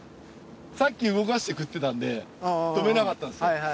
さっき動かして食ってたんで止めなかったんですよ